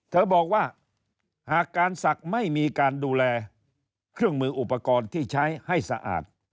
เธอบอกว่าหากการศักดิ์ไม่มีการดูแลเครื่องมืออุปกรณ์ที่ใช้ให้สะอาด